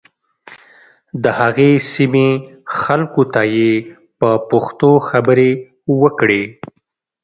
د هغې سیمې خلکو ته یې په پښتو خبرې وکړې.